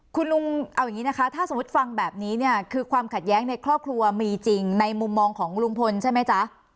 คุณลุงเอาอย่างนี้นะคะถ้าสมมุติฟังแบบนี้เนี่ยคือความขัดแย้งในครอบครัวมีจริงในมุมมองของลุงพลใช่ไหมจ๊ะ